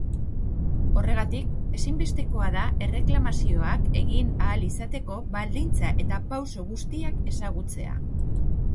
Horregatik, ezinbestekoa da erreklamazioak egin ahal izateko baldintza eta pauso guztiak ezagutzea.